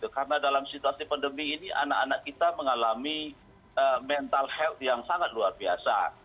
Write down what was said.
karena dalam situasi pandemi ini anak anak kita mengalami mental health yang sangat luar biasa